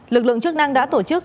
lực lượng chức năng đã tổ chức